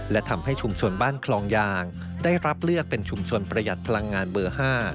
และทำให้ชุมชนบ้านคลองยางได้รับเลือกเป็นชุมชนประหยัดพลังงานเบอร์๕